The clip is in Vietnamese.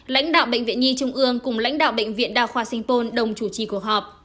lãnh đạo bệnh viện nhi trung ương cùng lãnh đạo bệnh viện đa khoa sinh pôn đồng chủ trì cuộc họp